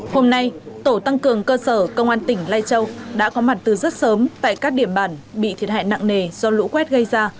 hôm nay tổ tăng cường cơ sở công an tỉnh lai châu đã có mặt từ rất sớm tại các điểm bản bị thiệt hại nặng nề do lũ quét gây ra